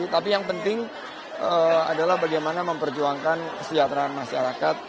tapi yang penting adalah bagaimana memperjuangkan kesejahteraan masyarakat